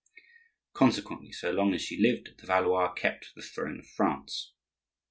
Consequently, so long as she lived, the Valois kept the throne of France.